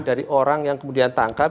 dari orang yang kemudian tangkap